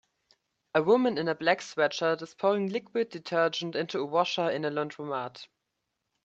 A woman in a black sweatshirt is pouring liquid detergent into a washer in a laundromat.